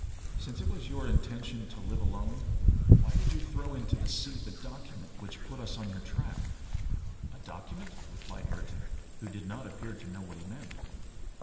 Since it was your intention to live alone, why did you throw into the sea the document which put us on your track?" "A document?" repeated Ayrton, who did not appear to know what he meant.